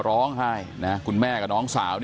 ร้องไห้นะครับคุณแม่กับน้องสาว